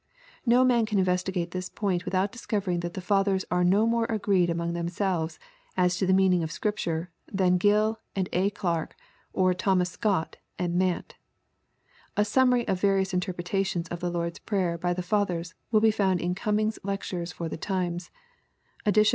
No man can investigate this point without discovering that the Fathers are no more agreed among themselves as to the meaning of Scrip ture, than GiU and A, Clarke, or Thomas Scott and Mant A summary of various interpretations of the Lord's Prayer by the Fathers will be found in Cumming's Lectures for fiie Timea (Edit 1845.